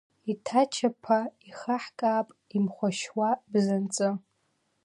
Иҭачаԥа ихаҳкаап имхәашьуа бзанҵы!